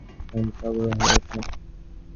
তিনি ব্রিটিশবিরোধী সক্রিয় রাজনীতিতে আগ্রহী হয়ে ওঠেন।